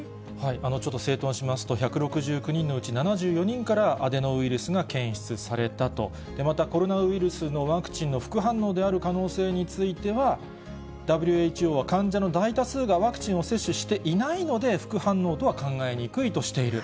ちょっと整頓しますと、１６９人のうち７４人からアデノウイルスが検出されたと、またコロナウイルスのワクチンの副反応である可能性については、ＷＨＯは患者の大多数がワクチンを接種していないので、副反応とは考えにくいとしている。